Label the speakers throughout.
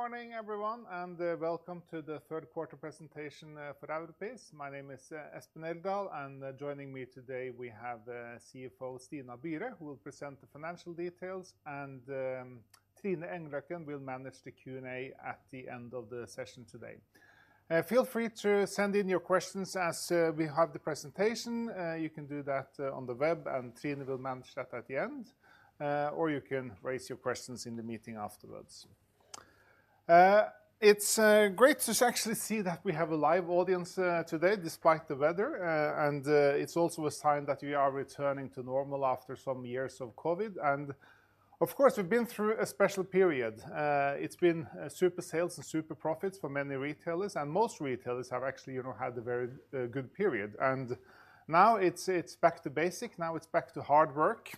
Speaker 1: Good morning, everyone, and welcome to the third quarter presentation for Europris. My name is Espen Eldal, and joining me today, we have the CFO, Stina Byre, who will present the financial details, and Trine Engløkken will manage the Q&A at the end of the session today. Feel free to send in your questions as we have the presentation. You can do that on the web, and Trine will manage that at the end. Or you can raise your questions in the meeting afterwards. It's great to actually see that we have a live audience today, despite the weather, and it's also a sign that we are returning to normal after some years of COVID, and of course, we've been through a special period. It's been super sales and super profits for many retailers, and most retailers have actually, you know, had a very good period. And now it's back to basic, now it's back to hard work,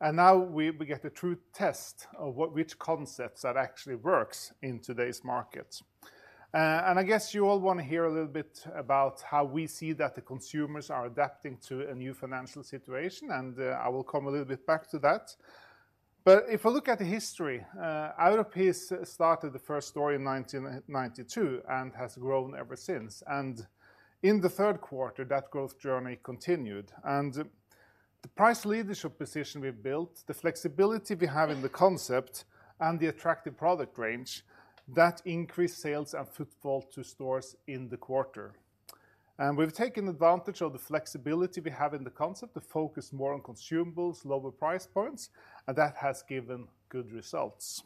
Speaker 1: and now we get the true test of which concepts that actually works in today's market. And I guess you all wanna hear a little bit about how we see that the consumers are adapting to a new financial situation, and I will come a little bit back to that. But if we look at the history, Europris started the first store in 1992 and has grown ever since, and in the third quarter, that growth journey continued. The price leadership position we've built, the flexibility we have in the concept, and the attractive product range, that increased sales and footfall to stores in the quarter. We've taken advantage of the flexibility we have in the concept to focus more on consumables, lower price points, and that has given good results.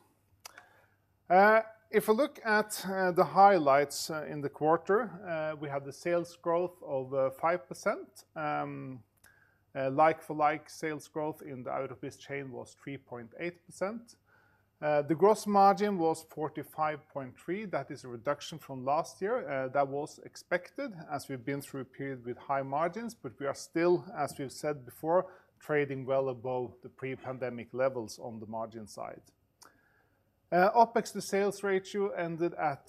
Speaker 1: If we look at the highlights in the quarter, we have the sales growth of 5%. Like for like, sales growth in the Europris chain was 3.8%. The gross margin was 45.3%. That is a reduction from last year. That was expected as we've been through a period with high margins, but we are still, as we've said before, trading well above the pre-pandemic levels on the margin side. OpEx to sales ratio ended at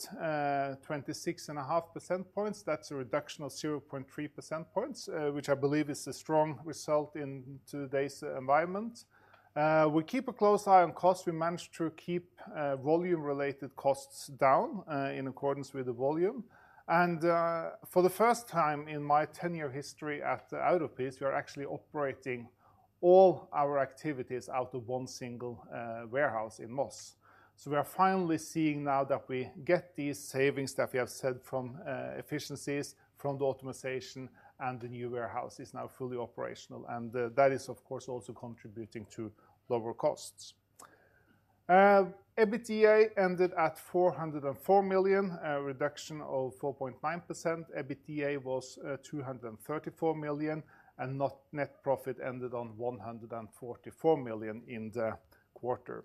Speaker 1: 26.5 percentage points. That's a reduction of 0.3 percentage points, which I believe is a strong result in today's environment. We keep a close eye on costs. We managed to keep volume-related costs down in accordance with the volume. For the first time in my 10-year history at Europris, we are actually operating all our activities out of one single warehouse in Moss. We are finally seeing now that we get these savings that we have said from efficiencies, from the optimization, and the new warehouse is now fully operational, and that is, of course, also contributing to lower costs. EBITDA ended at 404 million, a reduction of 4.9%. EBITDA was 234 million, and net profit ended on 144 million in the quarter.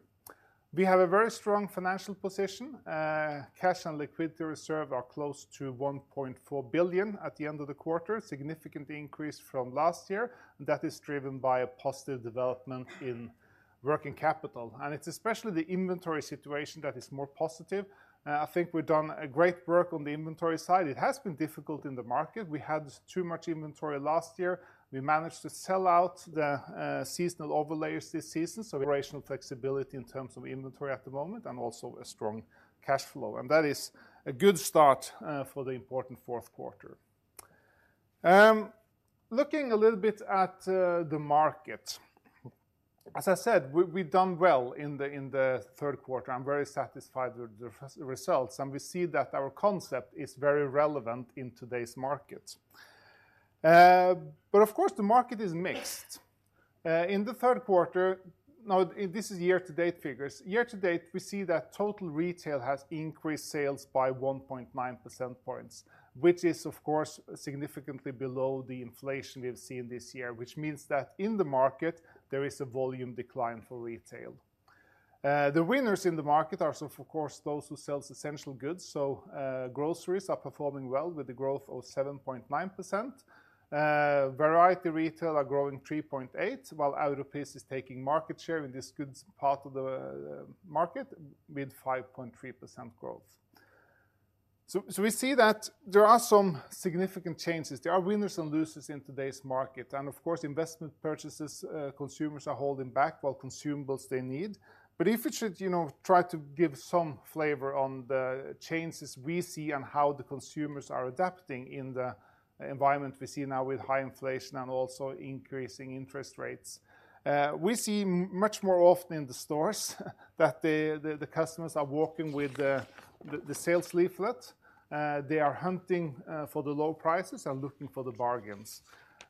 Speaker 1: We have a very strong financial position. Cash and liquidity reserve are close to 1.4 billion at the end of the quarter, significantly increased from last year, and that is driven by a positive development in working capital. It's especially the inventory situation that is more positive. I think we've done a great work on the inventory side. It has been difficult in the market. We had too much inventory last year. We managed to sell out the seasonal overlayers this season, so operational flexibility in terms of inventory at the moment and also a strong cash flow, and that is a good start for the important fourth quarter. Looking a little bit at the market. As I said, we've done well in the third quarter. I'm very satisfied with the results, and we see that our concept is very relevant in today's market. But of course, the market is mixed. In the third quarter... Now, this is year-to-date figures. Year to date, we see that total retail has increased sales by 1.9 percentage points, which is, of course, significantly below the inflation we've seen this year, which means that in the market there is a volume decline for retail. The winners in the market are, of course, those who sells essential goods, so, groceries are performing well with a growth of 7.9%. Variety retail are growing 3.8%, while Europris is taking market share in this goods part of the market with 5.3% growth. So we see that there are some significant changes. There are winners and losers in today's market, and of course, investment purchases, consumers are holding back, while consumables they need. But if we should, you know, try to give some flavor on the changes we see and how the consumers are adapting in the environment we see now with high inflation and also increasing interest rates, we see much more often in the stores, that the customers are walking with the sales leaflet. They are hunting for the low prices and looking for the bargains.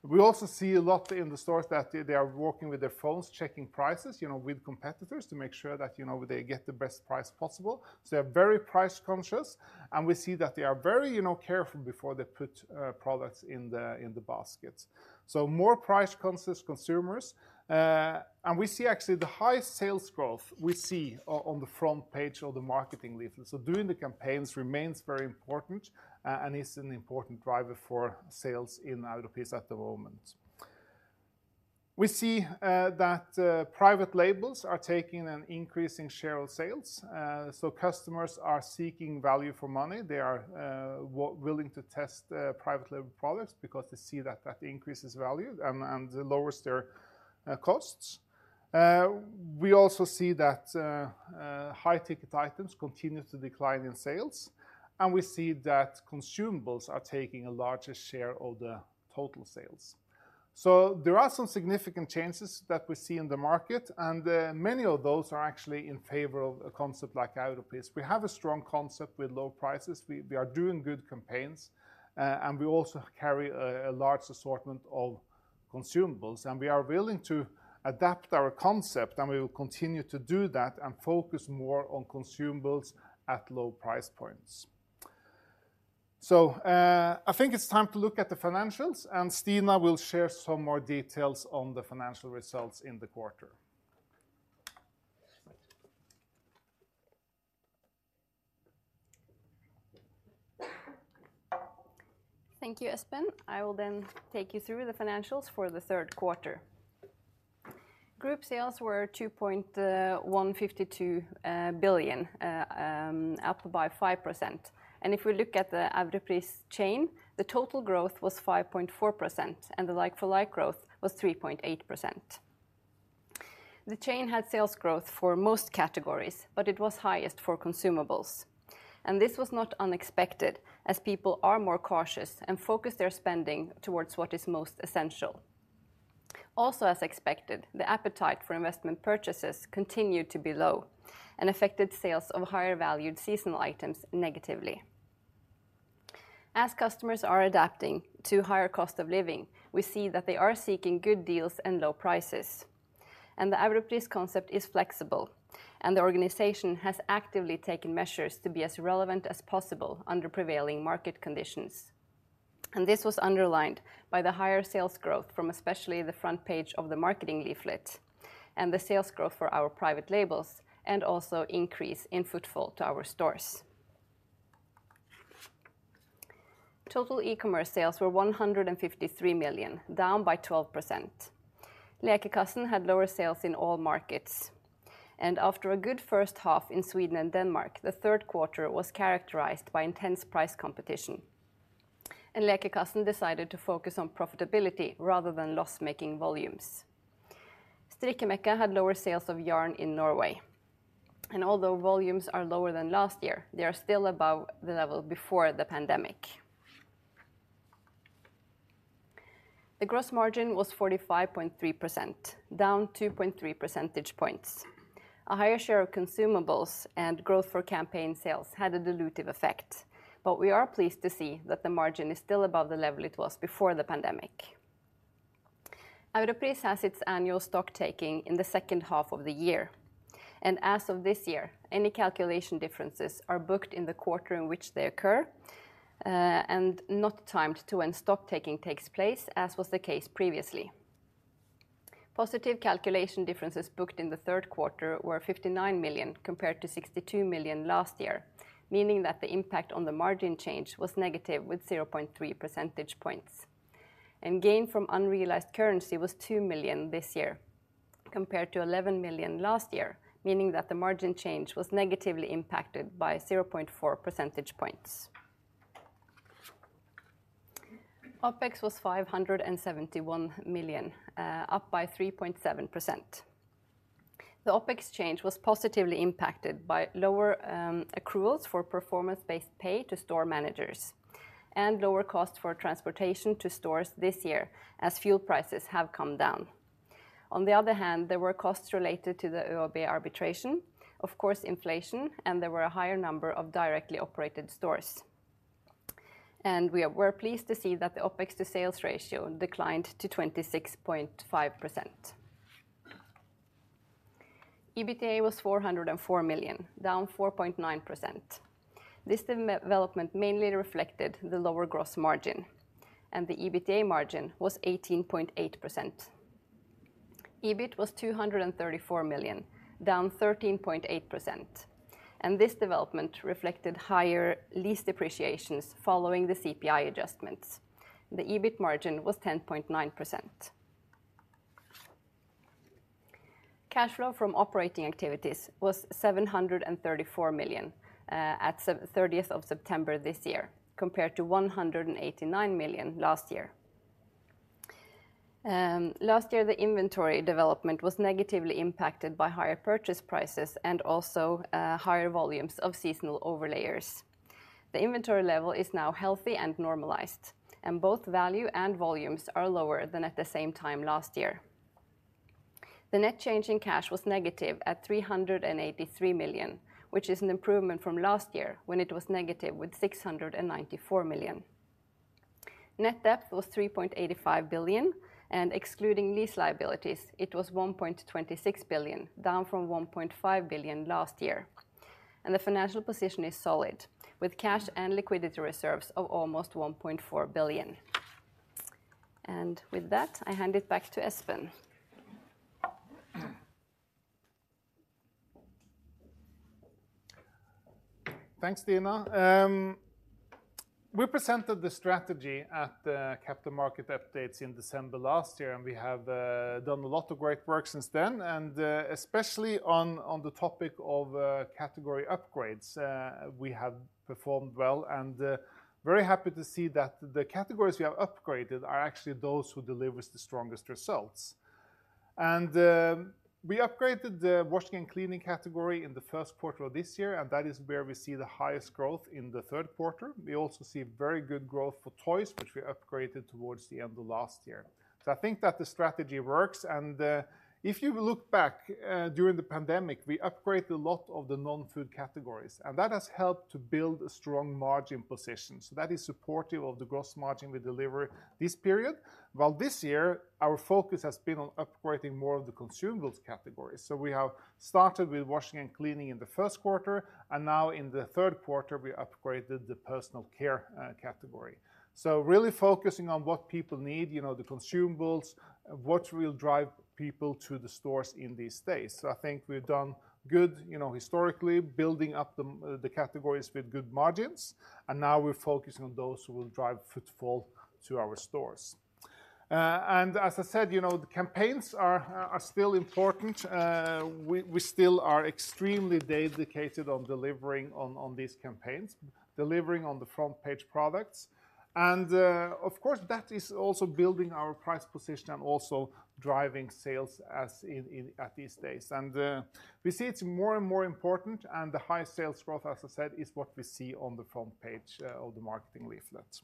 Speaker 1: We also see a lot in the stores that they are walking with their phones, checking prices, you know, with competitors, to make sure that, you know, they get the best price possible. So they are very price-conscious, and we see that they are very, you know, careful before they put products in the basket. So more price-conscious consumers, and we see actually the highest sales growth we see on the front page of the marketing leaflet. So doing the campaigns remains very important, and is an important driver for sales in Europris at the moment. We see that private labels are taking an increasing share of sales, so customers are seeking value for money. They are willing to test private label products because they see that that increases value and lowers their costs. We also see that high-ticket items continue to decline in sales, and we see that consumables are taking a larger share of the total sales. So there are some significant changes that we see in the market, and many of those are actually in favor of a concept like Europris. We have a strong concept with low prices. We are doing good campaigns, and we also carry a large assortment of consumables, and we are willing to adapt our concept, and we will continue to do that and focus more on consumables at low price points. So, I think it's time to look at the financials, and Stina will share some more details on the financial results in the quarter.
Speaker 2: Thank you, Espen. I will then take you through the financials for the third quarter. Group sales were 2.152 billion, up by 5%, and if we look at the Europris chain, the total growth was 5.4%, and the like-for-like growth was 3.8%. The chain had sales growth for most categories, but it was highest for consumables, and this was not unexpected, as people are more cautious and focus their spending toward what is most essential. Also, as expected, the appetite for investment purchases continued to be low and affected sales of higher valued seasonal items negatively. As customers are adapting to higher cost of living, we see that they are seeking good deals and low prices. The Europris concept is flexible, and the organization has actively taken measures to be as relevant as possible under prevailing market conditions. This was underlined by the higher sales growth from especially the front page of the marketing leaflet and the sales growth for our private labels, and also increase in footfall to our stores. Total e-commerce sales were 153 million, down by 12%. Lekekassen had lower sales in all markets, and after a good first half in Sweden and Denmark, the third quarter was characterized by intense price competition, and Lekekassen decided to focus on profitability rather than loss-making volumes. Strikkemekka had lower sales of yarn in Norway, and although volumes are lower than last year, they are still above the level before the pandemic. The gross margin was 45.3%, down 2.3 percentage points. A higher share of consumables and growth for campaign sales had a dilutive effect, but we are pleased to see that the margin is still above the level it was before the pandemic. Europris has its annual stock taking in the second half of the year, and as of this year, any calculation differences are booked in the quarter in which they occur, and not timed to when stock taking takes place, as was the case previously. Positive calculation differences booked in the third quarter were 59 million, compared to 62 million last year, meaning that the impact on the margin change was negative, with 0.3 percentage points. Gain from unrealized currency was 2 million this year, compared to 11 million last year, meaning that the margin change was negatively impacted by 0.4 percentage points. OpEx was 571 million, up by 3.7%. The OpEx change was positively impacted by lower accruals for performance-based pay to store managers and lower cost for transportation to stores this year as fuel prices have come down. On the other hand, there were costs related to the ÖoB arbitration, of course, inflation, and there were a higher number of directly operated stores. And we're pleased to see that the OpEx to sales ratio declined to 26.5%. EBITDA was 404 million, down 4.9%. This development mainly reflected the lower gross margin, and the EBITDA margin was 18.8%. EBIT was 234 million, down 13.8%, and this development reflected higher lease depreciations following the CPI adjustments. The EBIT margin was 10.9%. Cash flow from operating activities was 734 million at thirtieth of September this year, compared to 189 million last year. Last year, the inventory development was negatively impacted by higher purchase prices and also higher volumes of seasonal overlayers. The inventory level is now healthy and normalized, and both value and volumes are lower than at the same time last year. The net change in cash was negative at 383 million, which is an improvement from last year, when it was negative with 694 million. Net debt was 3.85 billion, and excluding lease liabilities, it was 1.26 billion, down from 1.5 billion last year. The financial position is solid, with cash and liquidity reserves of almost 1.4 billion. With that, I hand it back to Espen.
Speaker 1: Thanks, Stina. We presented the strategy at the capital market updates in December last year, and we have done a lot of great work since then, and especially on the topic of category upgrades, we have performed well and very happy to see that the categories we have upgraded are actually those who delivers the strongest results. We upgraded the washing and cleaning category in the first quarter of this year, and that is where we see the highest growth in the third quarter. We also see very good growth for toys, which we upgraded towards the end of last year. So I think that the strategy works, and if you look back during the pandemic, we upgraded a lot of the non-food categories, and that has helped to build a strong margin position. So that is supportive of the gross margin we deliver this period, while this year, our focus has been on upgrading more of the consumables categories. So we have started with washing and cleaning in the first quarter, and now in the third quarter, we upgraded the personal care category. So really focusing on what people need, you know, the consumables, what will drive people to the stores in these days. So I think we've done good, you know, historically, building up the categories with good margins, and now we're focusing on those who will drive footfall to our stores. And as I said, you know, the campaigns are still important. We still are extremely dedicated on delivering on these campaigns, delivering on the front page products. And, of course, that is also building our price position and also driving sales as in these days. And, we see it's more and more important, and the high sales growth, as I said, is what we see on the front page of the marketing leaflet.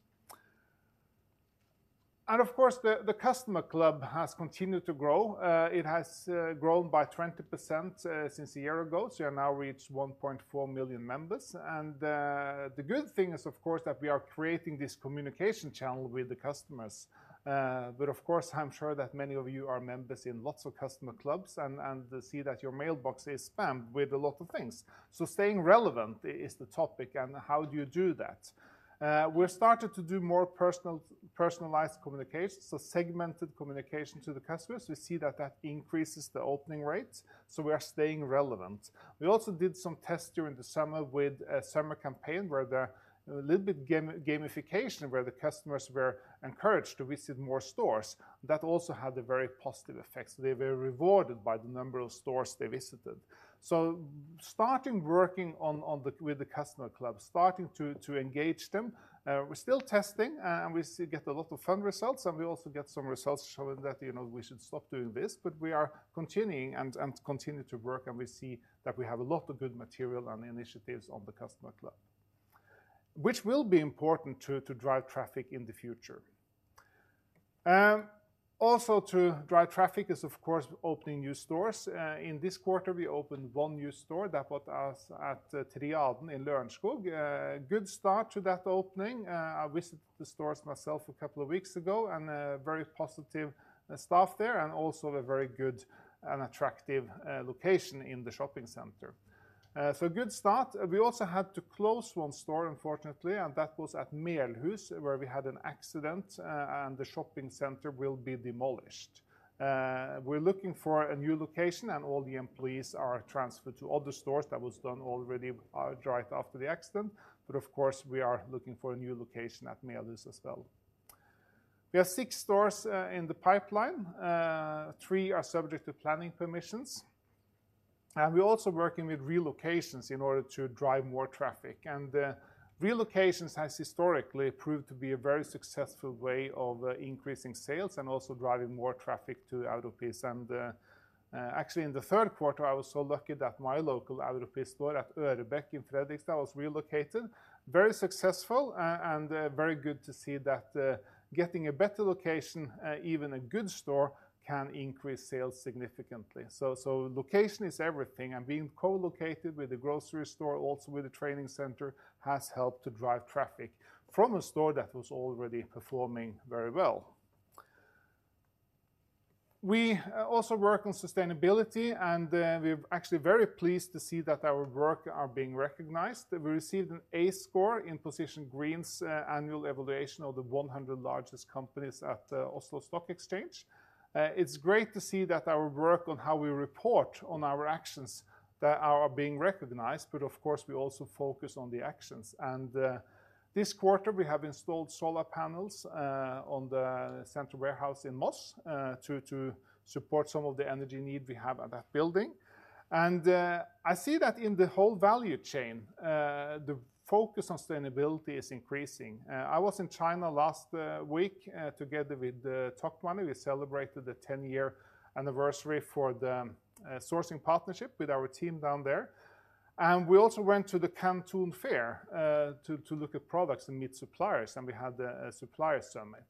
Speaker 1: And of course, the customer club has continued to grow. It has grown by 20%, since a year ago, so we have now reached 1.4 million members. And, the good thing is, of course, that we are creating this communication channel with the customers. But of course, I'm sure that many of you are members in lots of customer clubs and see that your mailbox is spammed with a lot of things. So staying relevant is the topic, and how do you do that? We're started to do more personalized communications, so segmented communication to the customers. We see that that increases the opening rate, so we are staying relevant. We also did some tests during the summer with a summer campaign, where there a little bit gamification, where the customers were encouraged to visit more stores. That also had a very positive effect. They were rewarded by the number of stores they visited. So starting working on, on the, with the customer club, starting to, to engage them. We're still testing, and we still get a lot of fun results, and we also get some results showing that, you know, we should stop doing this, but we are continuing and continue to work, and we see that we have a lot of good material and initiatives on the customer club, which will be important to drive traffic in the future. Also to drive traffic is, of course, opening new stores. In this quarter, we opened one new store. That put us at Triaden in Lørenskog. Good start to that opening. I visited the stores myself a couple of weeks ago, and very positive staff there, and also a very good and attractive location in the shopping center. So good start. We also had to close one store, unfortunately, and that was at Melhus, where we had an accident, and the shopping center will be demolished. We're looking for a new location, and all the employees are transferred to other stores. That was done already, right after the accident, but of course, we are looking for a new location at Melhus as well. We have six stores in the pipeline. Three are subject to planning permissions, and we're also working with relocations in order to drive more traffic. And, relocations has historically proved to be a very successful way of, increasing sales and also driving more traffic to Europris. And, actually, in the third quarter, I was so lucky that my local Europris store at Ørebekk in Fredrikstad was relocated. Very successful and very good to see that getting a better location, even a good store, can increase sales significantly. So location is everything, and being co-located with a grocery store, also with a training center, has helped to drive traffic from a store that was already performing very well. We also work on sustainability, and we're actually very pleased to see that our work are being recognized. We received an A score in Position Green's annual evaluation of the 100 largest companies at Oslo Stock Exchange. It's great to see that our work on how we report on our actions, that are being recognized, but of course, we also focus on the actions. This quarter, we have installed solar panels on the central warehouse in Moss to support some of the energy need we have at that building. I see that in the whole value chain the focus on sustainability is increasing. I was in China last week together with Tokmanni. We celebrated the 10-year anniversary for the sourcing partnership with our team down there. And we also went to the Canton Fair to look at products and meet suppliers, and we had a supplier summit.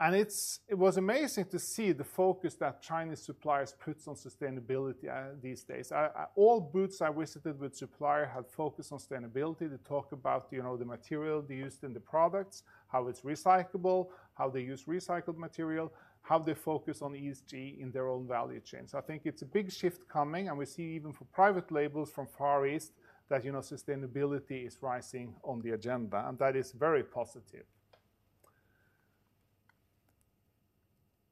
Speaker 1: It was amazing to see the focus that Chinese suppliers puts on sustainability these days. All booths I visited with supplier had focused on sustainability. They talk about, you know, the material they used in the products, how it's recyclable, how they use recycled material, how they focus on ESG in their own value chains. So I think it's a big shift coming, and we see even for private labels from Far East, that, you know, sustainability is rising on the agenda, and that is very positive.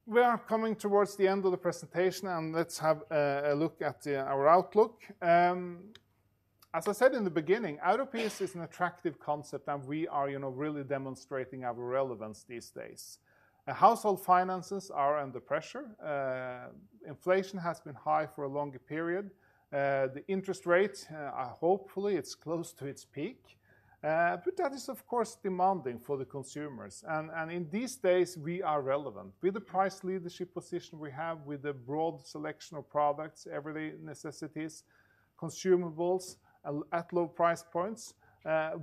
Speaker 1: We are coming towards the end of the presentation, and let's have a look at our outlook. As I said in the beginning, Europris is an attractive concept, and we are, you know, really demonstrating our relevance these days. Household finances are under pressure, inflation has been high for a longer period. The interest rates, hopefully it's close to its peak. But that is, of course, demanding for the consumers, and, and in these days we are relevant. With the price leadership position we have, with the broad selection of products, everyday necessities, consumables, at low price points,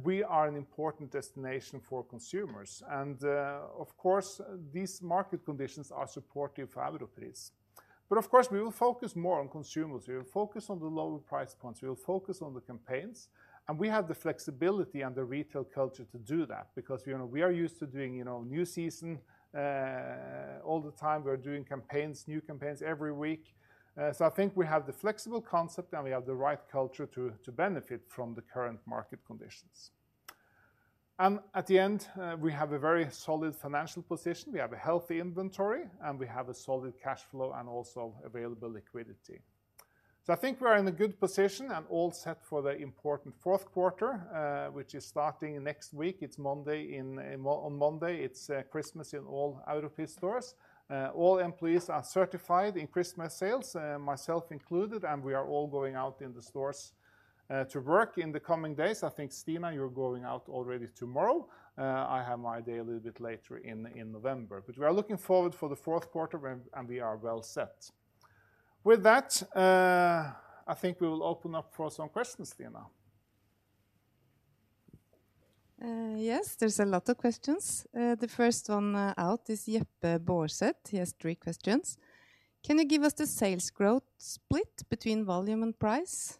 Speaker 1: we are an important destination for consumers. And, of course, these market conditions are supportive for Europris. But of course, we will focus more on consumers. We will focus on the lower price points. We will focus on the campaigns, and we have the flexibility and the retail culture to do that because, you know, we are used to doing, you know, new season, all the time. We're doing campaigns, new campaigns every week. So I think we have the flexible concept, and we have the right culture to benefit from the current market conditions. And at the end, we have a very solid financial position. We have a healthy inventory, and we have a solid cash flow and also available liquidity. So I think we're in a good position and all set for the important fourth quarter, which is starting next week. It's Monday. On Monday, it's Christmas in all Europris stores. All employees are certified in Christmas sales, myself included, and we are all going out in the stores to work in the coming days. I think, Stina, you're going out already tomorrow. I have my day a little bit later in November, but we are looking forward for the fourth quarter and we are well set. With that, I think we will open up for some questions, Stina.
Speaker 3: Yes, there's a lot of questions. The first one out is Jeppe Baardseth. He has three questions: Can you give us the sales growth split between volume and price?
Speaker 2: Well,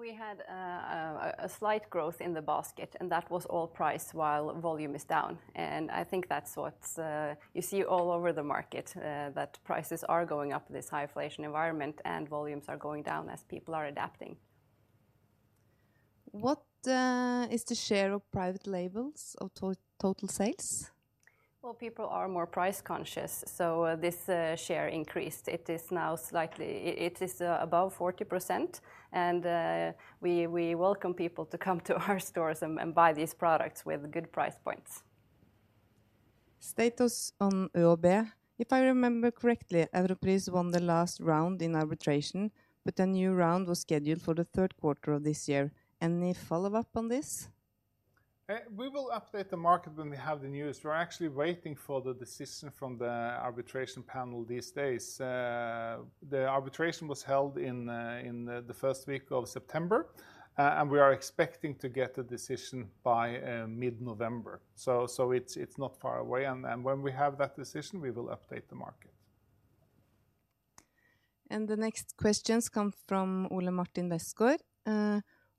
Speaker 2: we had a slight growth in the basket, and that was all price, while volume is down. I think that's what's you see all over the market, that prices are going up in this high inflation environment and volumes are going down as people are adapting.
Speaker 3: What is the share of private labels of total sales?
Speaker 2: Well, people are more price conscious, so this share increased. It is now slightly... It is above 40%, and we welcome people to come to our stores and buy these products with good price points.
Speaker 3: Status on ÖoB. If I remember correctly, Europris won the last round in arbitration, but a new round was scheduled for the third quarter of this year. Any follow-up on this?
Speaker 1: We will update the market when we have the news. We're actually waiting for the decision from the arbitration panel these days. The arbitration was held in the first week of September, and we are expecting to get a decision by mid-November. So it's not far away, and when we have that decision, we will update the market.
Speaker 3: The next questions come from Ole Martin Westgaard: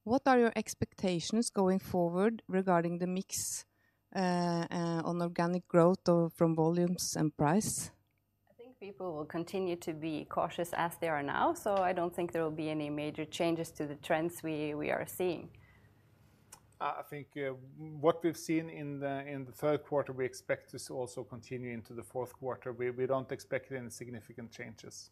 Speaker 3: What are your expectations going forward regarding the mix, on organic growth of, from volumes and price?
Speaker 2: I think people will continue to be cautious as they are now, so I don't think there will be any major changes to the trends we are seeing.
Speaker 1: I think what we've seen in the third quarter, we expect this also continue into the fourth quarter. We don't expect any significant changes.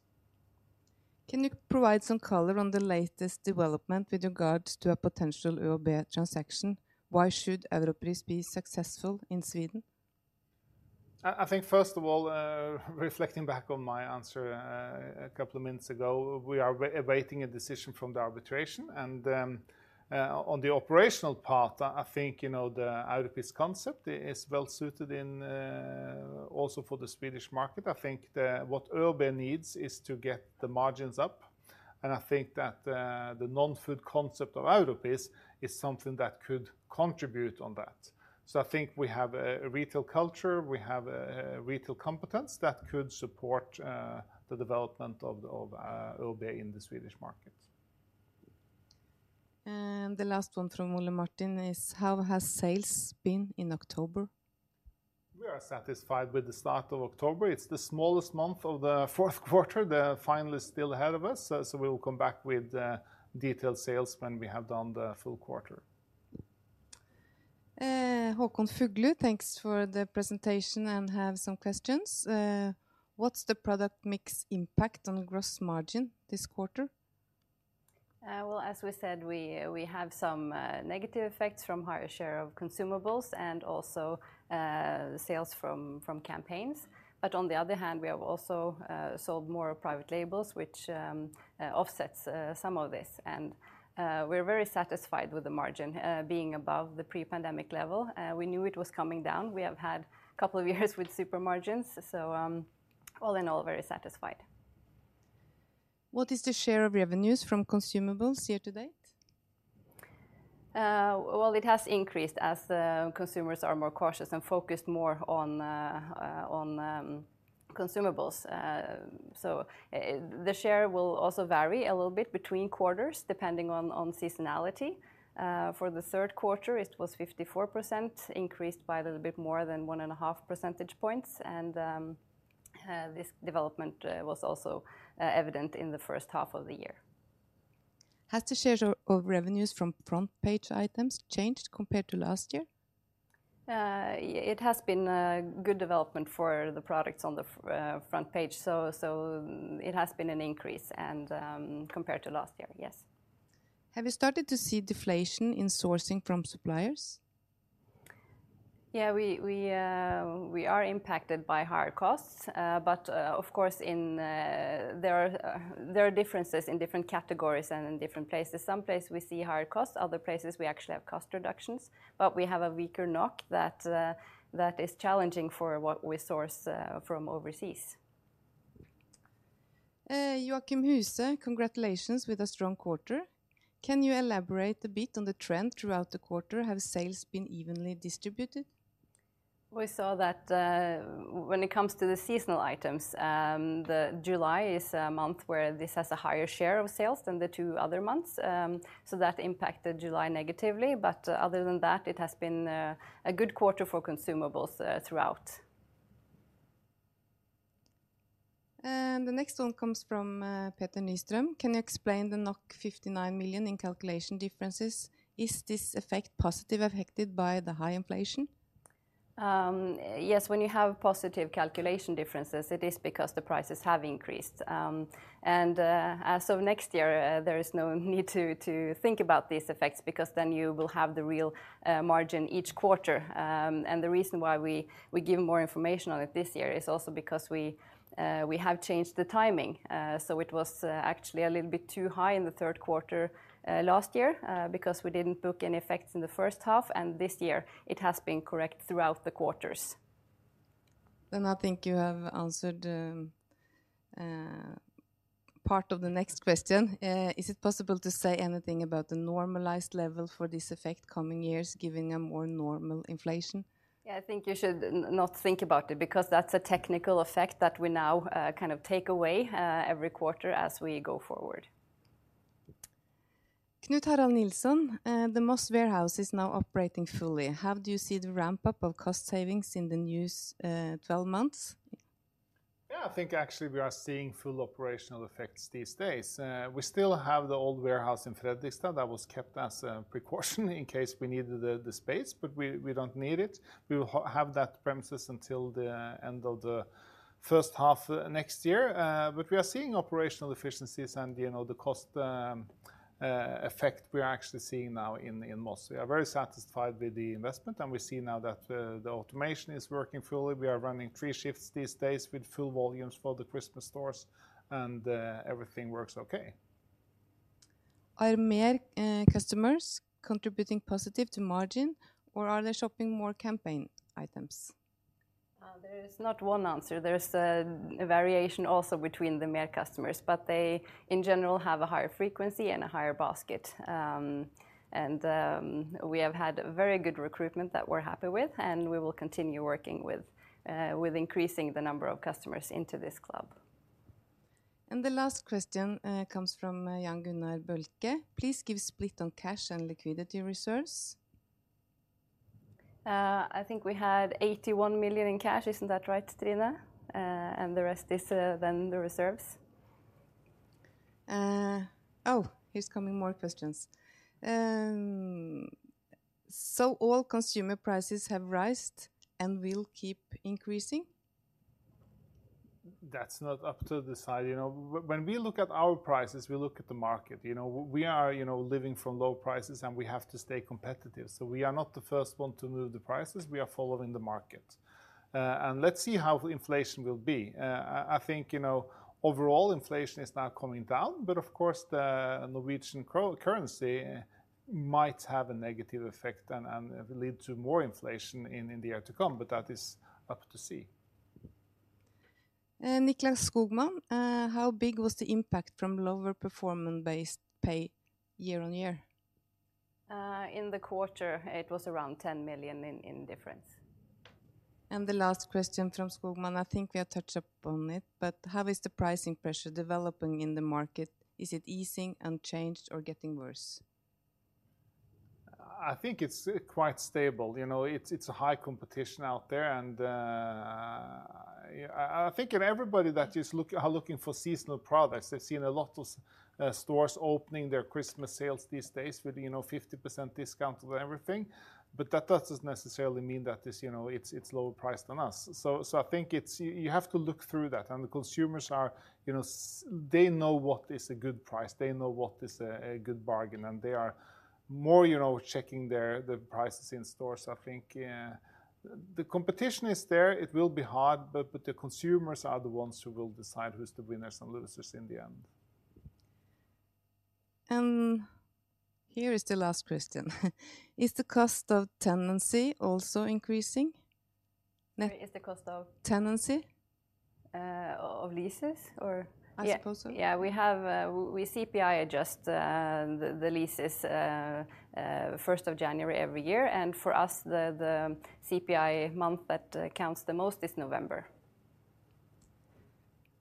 Speaker 3: Can you provide some color on the latest development with regards to a potential ÖoB transaction? Why should Europris be successful in Sweden?
Speaker 1: I think, first of all, reflecting back on my answer a couple of minutes ago, we are awaiting a decision from the arbitration. And on the operational part, I think, you know, the Europris concept is well suited in also for the Swedish market. I think what ÖoB needs is to get the margins up, and I think that the non-food concept of Europris is something that could contribute on that. So I think we have a retail culture, we have a retail competence that could support the development of ÖoB in the Swedish market.
Speaker 3: The last one from Ole Martin is: How has sales been in October?
Speaker 1: We are satisfied with the start of October. It's the smallest month of the fourth quarter. The final is still ahead of us, so we will come back with detailed sales when we have done the full quarter.
Speaker 3: Håkon Fuglu, thanks for the presentation and have some questions. What's the product mix impact on gross margin this quarter?
Speaker 2: Well, as we said, we have some negative effects from higher share of consumables and also sales from campaigns. But on the other hand, we have also sold more private labels, which offsets some of this. And we're very satisfied with the margin being above the pre-pandemic level. We knew it was coming down. We have had couple of years with super margins, so all in all, very satisfied.
Speaker 3: What is the share of revenues from consumables year to date?
Speaker 2: Well, it has increased as the consumers are more cautious and focused more on consumables. So the share will also vary a little bit between quarters, depending on seasonality. For the third quarter, it was 54%, increased by a little bit more than one and a half percentage points, and this development was also evident in the first half of the year.
Speaker 3: Has the share of revenues from front page items changed compared to last year?
Speaker 2: It has been a good development for the products on the front page, so it has been an increase, and compared to last year, yes.
Speaker 3: Have you started to see deflation in sourcing from suppliers?
Speaker 2: Yeah, we are impacted by higher costs. But of course, there are differences in different categories and in different places. Some places we see higher costs. Other places we actually have cost reductions. But we have a weaker NOK that is challenging for what we source from overseas.
Speaker 3: Joachim Huse: Congratulations with a strong quarter. Can you elaborate a bit on the trend throughout the quarter? Have sales been evenly distributed?
Speaker 2: We saw that, when it comes to the seasonal items, the July is a month where this has a higher share of sales than the two other months. So that impacted July negatively, but other than that, it has been a good quarter for consumables throughout.
Speaker 3: The next one comes from Petter Nystrøm: Can you explain the 59 million in calculation differences? Is this effect positively affected by the high inflation?
Speaker 2: Yes, when you have positive calculation differences, it is because the prices have increased. As of next year, there is no need to think about these effects, because then you will have the real margin each quarter. The reason why we give more information on it this year is also because we have changed the timing. So it was actually a little bit too high in the third quarter last year, because we didn't book any effects in the first half, and this year it has been correct throughout the quarters.
Speaker 3: Then I think you have answered part of the next question. Is it possible to say anything about the normalized level for this effect coming years, giving a more normal inflation?
Speaker 2: Yeah, I think you should not think about it, because that's a technical effect that we now kind of take away every quarter as we go forward.
Speaker 3: Knut Harald Nilsson: The Moss warehouse is now operating fully. How do you see the ramp-up of cost savings in the new 12 months?
Speaker 1: Yeah, I think actually we are seeing full operational effects these days. We still have the old warehouse in Fredrikstad that was kept as a precaution in case we needed the space, but we don't need it. We will have that premises until the end of the first half next year. But we are seeing operational efficiencies and, you know, the cost effect we are actually seeing now in Moss. We are very satisfied with the investment, and we see now that the automation is working fully. We are running three shifts these days with full volumes for the Christmas stores, and everything works okay.
Speaker 3: Are MER customers contributing positive to margin, or are they shopping more campaign items?
Speaker 2: There is not one answer. There's a variation also between the MER customers, but they, in general, have a higher frequency and a higher basket. We have had very good recruitment that we're happy with, and we will continue working with increasing the number of customers into this club.
Speaker 3: The last question comes from Jan Gunnar Bølke: Please give split on cash and liquidity reserves.
Speaker 2: I think we had 81 million in cash. Isn't that right, Trine? And the rest is then the reserves.
Speaker 3: Oh, here's coming more questions. So all consumer prices have risen and will keep increasing?
Speaker 1: That's not up to decide. You know, when we look at our prices, we look at the market. You know, we are, you know, living from low prices, and we have to stay competitive, so we are not the first one to move the prices. We are following the market. And let's see how inflation will be. I think, you know, overall inflation is now coming down, but of course, the Norwegian currency might have a negative effect and lead to more inflation in the year to come, but that is up to see.
Speaker 3: Nicklas Skogman: How big was the impact from lower performance-based pay year on year?
Speaker 2: In the quarter, it was around 10 million in difference.
Speaker 3: The last question from Skogman, I think we have touched upon it, but: How is the pricing pressure developing in the market? Is it easing, unchanged, or getting worse?
Speaker 1: I think it's quite stable. You know, it's a high competition out there, and I think everybody that is looking for seasonal products, they've seen a lot of stores opening their Christmas sales these days with, you know, 50% discount on everything. But that doesn't necessarily mean that it's, you know, it's lower priced than us. So I think it's... You have to look through that, and the consumers are, you know, they know what is a good price, they know what is a good bargain, and they are more, you know, checking the prices in stores. I think, yeah, the competition is there, it will be hard, but the consumers are the ones who will decide who's the winners and losers in the end.
Speaker 3: Here is the last question: Is the cost of tenancy also increasing?
Speaker 2: Is the cost of?
Speaker 3: Tenancy.
Speaker 2: Of leases?
Speaker 3: I suppose so.
Speaker 2: Yeah, we CPI adjust the leases first of January every year, and for us, the CPI month that counts the most is November.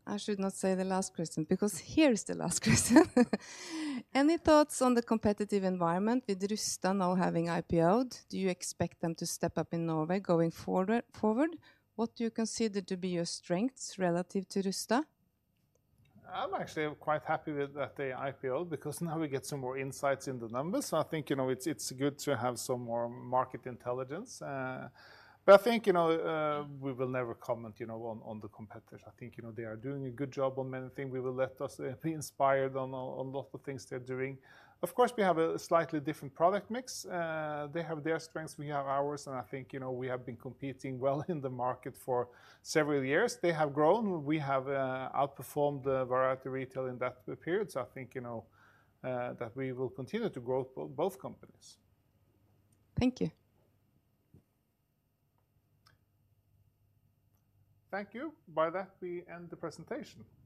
Speaker 3: I should not say the last question, because here is the last question. Any thoughts on the competitive environment with Rusta now having IPO'd? Do you expect them to step up in Norway going forward, forward? What do you consider to be your strengths relative to Rusta?
Speaker 1: I'm actually quite happy with that they IPO, because now we get some more insights in the numbers. So I think, you know, it's, it's good to have some more market intelligence. But I think, you know, we will never comment, you know, on, on the competitors. I think, you know, they are doing a good job on many things. We will let us be inspired on a lot of things they're doing. Of course, we have a slightly different product mix. They have their strengths, we have ours, and I think, you know, we have been competing well in the market for several years. They have grown; we have outperformed the variety retail in that period. So I think, you know, that we will continue to grow both companies.
Speaker 3: Thank you.
Speaker 1: Thank you. By that, we end the presentation.